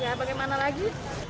ya bagaimana lagi